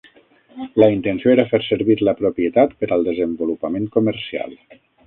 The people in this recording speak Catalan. La intenció era fer servir la propietat per al desenvolupament comercial.